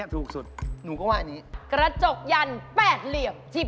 ต้องถูกกว่า๘๙ถ้าแพงกว่า๘๙บาท